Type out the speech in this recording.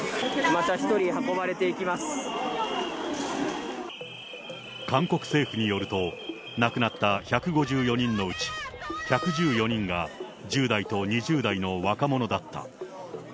また１人、韓国政府によると、亡くなった１５４人のうち、１１４人が１０代と２０代の若者だった。